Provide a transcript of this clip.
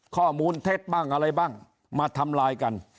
เท็จบ้างอะไรบ้างมาทำลายกัน